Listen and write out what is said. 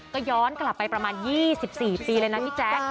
ก็ย้อนกลับไปประมาณ๒๔ปีเลยนะพี่แจ๊ค